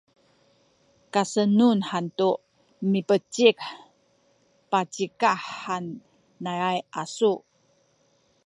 kasenun hantu mipecih pacikah han ngaay asu’